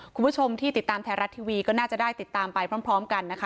คุณผู้ชมที่ติดตามไทยรัฐทีวีก็น่าจะได้ติดตามไปพร้อมกันนะคะ